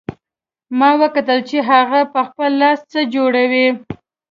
ما وکتل چې هغه په خپل لاس څه جوړوي